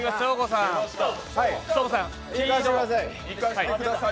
行かせてください。